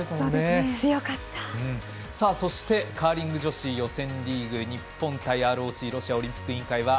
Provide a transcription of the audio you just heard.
そしてカーリング女子予選リーグ日本対ＲＯＣ＝ロシアオリンピック委員会。